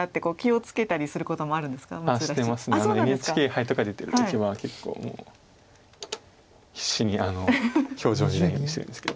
ＮＨＫ杯とか出てる時は結構もう必死に表情に出ないようにしてるんですけど。